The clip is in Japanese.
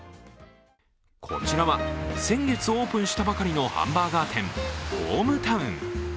こちらは先月オープンしたばかりのハンバーガー店、ホームタウン。